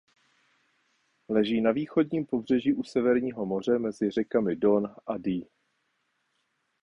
Leží na východním pobřeží u Severního moře mezi řekami Don a Dee.